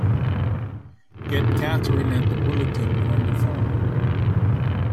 Get Katherine at the Bulletin on the phone!